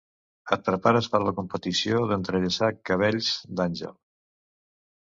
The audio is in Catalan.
Et prepares per a la competició d'entrellaçar cabells d'àngel.